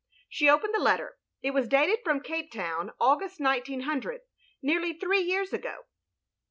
She opened the letter: it was dated from Cape town, August, 1900, — ^neariy three years ago.